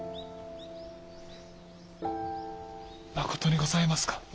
まことにございますか。